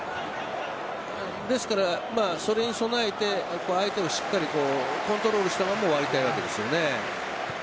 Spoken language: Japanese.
ですから、それに備えて相手をしっかりコントロールしたまま終わりたいわけですよね。